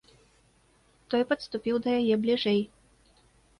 Той падступіў да яе бліжэй.